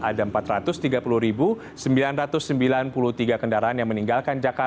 ada empat ratus tiga puluh sembilan ratus sembilan puluh tiga kendaraan yang meninggalkan jakarta